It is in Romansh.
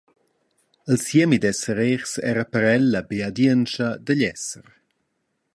Il siemi d’esser rehs era per el la beadientscha digl esser.